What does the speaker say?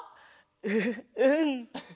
ううん。